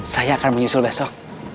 saya akan menyusul besok